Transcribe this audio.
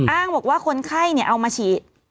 อ้างบอกว่าคนไข้เอามาฉีด